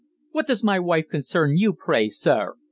"What does my wife concern you, pray, sir?"